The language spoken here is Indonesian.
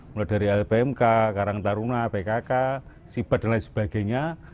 mulai dari lpmk karang taruna pkk sipat dan lain sebagainya